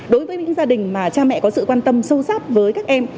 đối với những gia đình mà cha mẹ có sự quan tâm sâu sắc với các em